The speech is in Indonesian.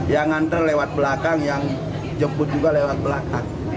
yang nganter lewat belakang yang jemput juga lewat belakang